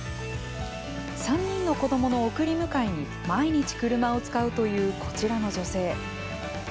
３人の子どもの送り迎えに毎日車を使うという、こちらの女性。